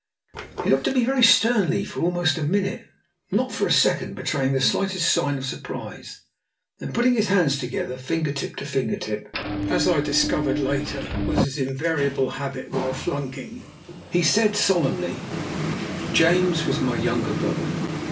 He looked at me very sternly for almost a minute, not for a second betraying the slightest sign of surprise. Then putting his hands together, finger tip to finger tip, as I discovered later was his invariable habit while flunking, he said solemnly: "James was my younger brother.